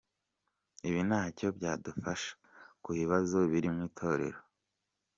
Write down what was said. Ibi ntacyo byadufasha ku bibazo biri mu itorero.